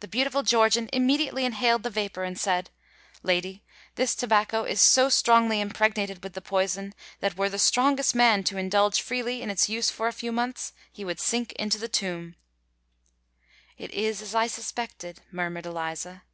The beautiful Georgian immediately inhaled the vapour, and said, "Lady, this tobacco is so strongly impregnated with the poison, that were the strongest man to indulge freely in its use for a few months, he would sink into the tomb." "It is as I suspected," murmured Eliza.